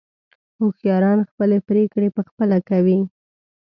هوښیاران خپلې پرېکړې په خپله کوي.